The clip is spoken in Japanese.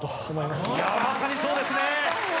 まさにそうですね。